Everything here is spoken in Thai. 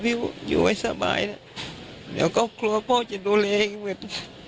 พี่ยุคอยู่ไว้สบายแล้วเดี๋ยวก็กลัวพ่อจะดูเลให้เว็บ